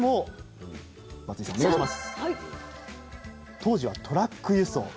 当時はトラック輸送。